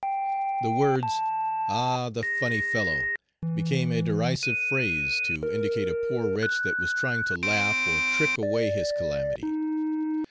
The words "Ah! the funny fellow," became a derisive phrase to indicate a poor wretch that was trying to laugh or trick away his calamity.